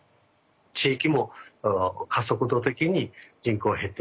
地域も加速度的に人口減っていきます。